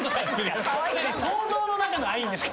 想像の中のアインですか？